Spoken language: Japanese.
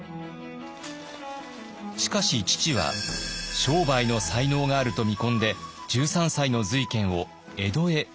しかし父は商売の才能があると見込んで１３歳の瑞賢を江戸へ送り出します。